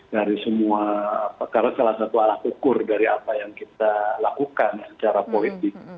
dari semua karena salah satu alat ukur dari apa yang kita lakukan secara politik